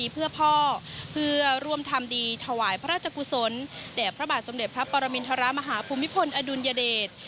เพื่อพ่อเพื่อร่วมทำดีถวายพระราชกุศลแด่พระบาทสมเด็จพระปรมินทรมาฮภูมิพลอดุลยเดช